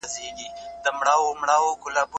خیال د شعري کلام ښکلا زیاتوي.